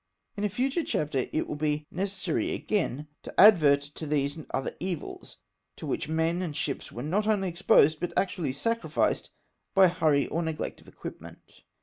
In a future chapter it w^ill be necessary again to advert to these and other evils to which men and ships were not only exposed, but actually sacrificed, by hurry or neglect of equipment.